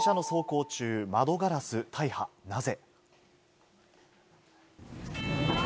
電車の走行中、窓ガラス大破、なぜ。